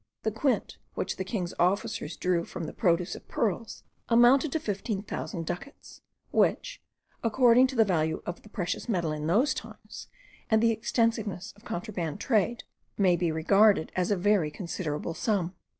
The quint which the king's officers drew from the produce of pearls, amounted to fifteen thousand ducats; which, according to the value of the precious metals in those times, and the extensiveness of contraband trade, may be regarded as a very considerable sum.